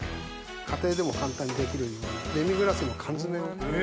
家庭でも簡単にできるようにデミグラスの缶詰を。